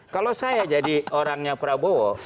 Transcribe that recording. kalau saya jadi orangnya prabowo